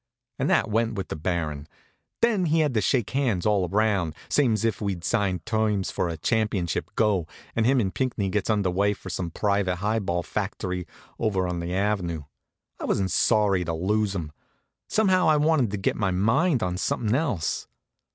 And that went with the Baron. Then he has to shake hands all round, same's if we'd signed terms for a championship go, and him and Pinckney gets under way for some private high ball factory over on the avenue. I wa'n't sorry to lose 'em. Somehow I wanted to get my mind on something else.